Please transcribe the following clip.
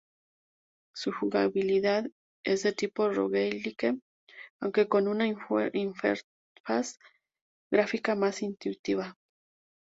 Su jugabilidad es de tipo "roguelike", aunque con una interfaz gráfica más intuitiva.